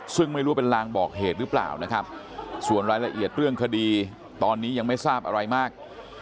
ซึ่งไม่รู้ว่าเป็นลางบอกเหตุหรือเปล่านะครับส่วนรายละเอียดเรื่องคดีตอนนี้ยังไม่ทราบอะไรมาก